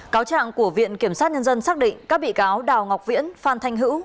cáo trạng của viện kiểm sát nhân dân xác định các bị cáo đào ngọc viễn phan thanh hữu